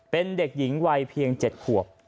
เป็นเด็กหญิงวัยเพียง๗ขวบ